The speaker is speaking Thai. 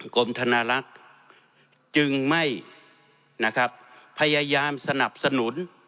กรมธนลักษณ์จึงไม่นะครับพยายามสนับสนุน